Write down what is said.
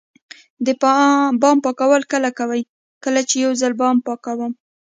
د بام پاکول کله کوئ؟ کال کې یوځل بام پاکوم